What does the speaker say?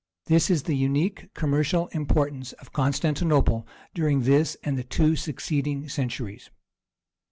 This is the unique commercial importance of Constantinople during this and the two succeeding centuries.